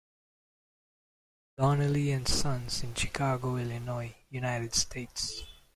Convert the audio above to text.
Donnelley and Sons in Chicago, Illinois, United States.